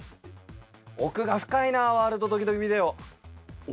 奥が深いな、ワールドドキドキビデオ。